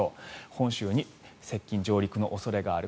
本州に接近・上陸の恐れがある。